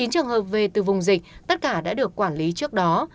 chín trường hợp về từ vùng dịch tất cả đã được quản lý trước đó